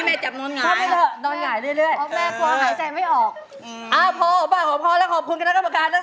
มั้ยหยุด